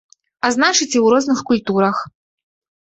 А значыць, і ў розных культурах.